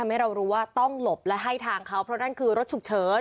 ให้เรารู้ว่าต้องหลบและให้ทางเขาเพราะนั่นคือรถฉุกเฉิน